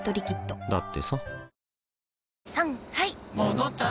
だってさ